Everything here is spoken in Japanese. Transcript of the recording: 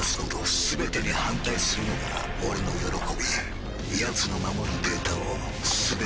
全てに反対するのが俺の喜びやつの守るデータを全て奪うのだ！